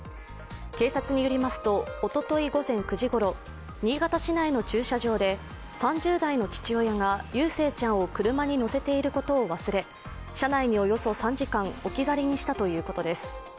警察によりますと、おととい午前９時ごろ、新潟市内の駐車場で３０代の父親が祐誠ちゃんを車に乗せていることを忘れ車内におよそ３時間、置き去りにしたということです。